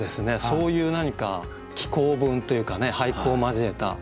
そういう何か紀行文というか俳句を交えた。